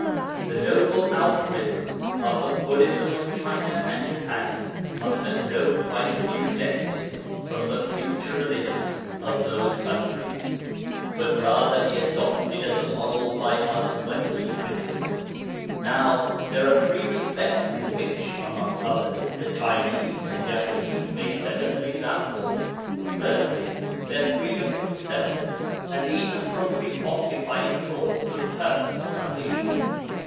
The noble altruism of the Buddhism of China and Japan must at no price be rejected from the future religion of those countries, but rather be adopted as a model by us Western Christians. Now there are three respects in which (among others) the Chinese and Japanese may set us an example. Firstly, their freedom from self, and even from pre occupying thoughts of personal salvation.